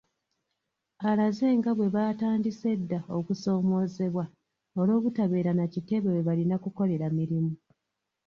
Alaze nga bwe baatandise edda okusoomoozebwa olw’obutabeera na kitebe we balina kukolera mirimu .